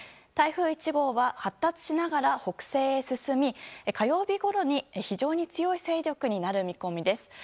台風１号は発達しながら北西へ進み火曜日ごろに非常に強い勢力になる見込みです。